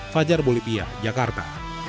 fajar bolivia jakarta